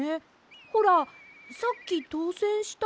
ほらさっきとうせんしたひとも。